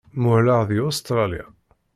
Muhleɣ deg Ustṛalya.